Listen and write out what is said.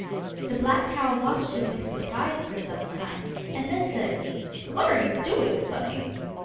The black cow watched him with surprise for some time, and then said: 'What are you doing, sonny?